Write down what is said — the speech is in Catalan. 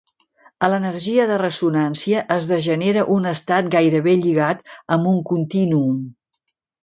A l'energia de ressonància es degenera un estat gairebé lligat amb un contínuum.